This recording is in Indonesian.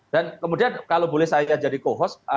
dan kemudian kalau boleh saya jadi co host